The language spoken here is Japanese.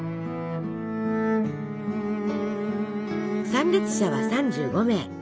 参列者は３５名。